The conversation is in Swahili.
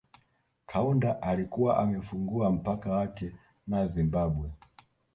Kaunda alikuwa amefungua mpaka wake na Zimbabwe